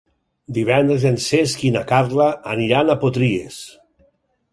Divendres en Cesc i na Carla aniran a Potries.